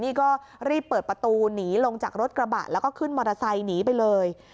นี่ก็รีบเปิดประตูหนีลงจากรถกระบะแล้วก็ขึ้นมอเตอร์ไซค์หนีไปเลย